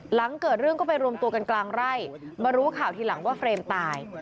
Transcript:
หลังเกิดเรื่องก็ไปรวมตัวกันกลางไร่มารู้ข่าวทีหลังว่าเฟรมตาย